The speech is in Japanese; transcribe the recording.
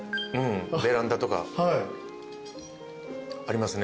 ベランダとかありますね。